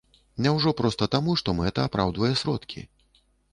Няўжо проста таму, што мэта апраўдвае сродкі?